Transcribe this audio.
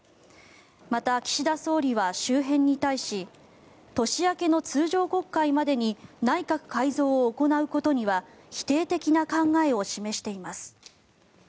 また、岸田総理は周辺に対し年明けの通常国会までに内閣改造を行うことには否定的な考えを示しています。